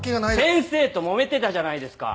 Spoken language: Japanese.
先生ともめてたじゃないですか。